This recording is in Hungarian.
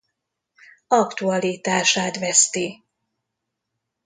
Aktualitását veszti.